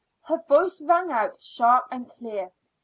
Her voice rang out sharp and clear.